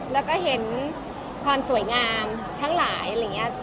แล้วก็เห็นความสวยงามทั้งหลาย